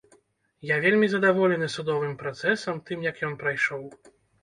Я вельмі задаволены судовым працэсам, тым, як ён прайшоў.